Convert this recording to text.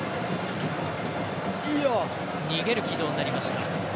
逃げる軌道になりました。